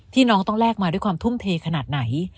น้องต้องแลกมาด้วยความทุ่มเทขนาดไหน